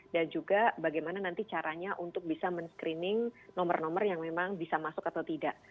dan juga bagaimana nanti caranya untuk bisa men screening nomor nomor yang memang bisa masuk atau tidak